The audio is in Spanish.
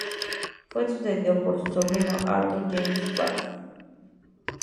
Fue sucedido por su sobrino, Arthur James Balfour.